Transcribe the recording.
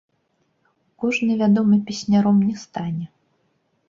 Кожны, вядома, песняром не стане.